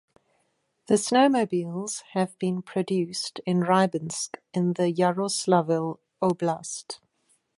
The snowmobiles have been produced in Rybinsk in the Yaroslavl Oblast.